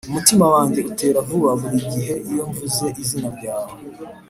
umutima wanjye utera vuba buri gihe iyo mvuze izina ryawe.